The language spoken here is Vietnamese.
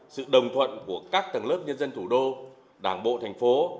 sự đồng thuận của các tầng lớp nhân dân thủ đô đảng bộ tp